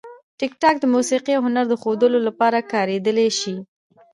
ټیکټاک د موسیقي او هنر د ښودلو لپاره کارېدلی شي.